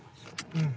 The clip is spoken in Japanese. うん。